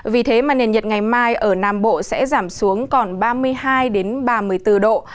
vì thế mà nền nhiệt ngày mai ở nam bộ sẽ giảm xuống còn ba mươi hai ba mươi bốn độ